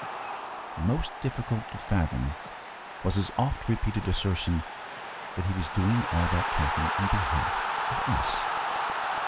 And most difficult to fathom was his oft repeated assertion that he was doing all that talking in behalf of us.